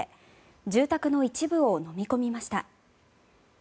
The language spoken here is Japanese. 住宅の一部をのみ込みました。